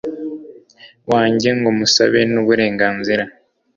wanjye ngo musabe nuburenganzira